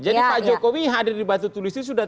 jadi pak jokowi hadir di batu tulis dari bung karo